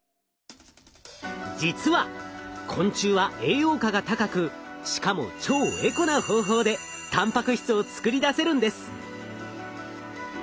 実は昆虫は栄養価が高くしかも超エコな方法でたんぱく質を作り出せるんです。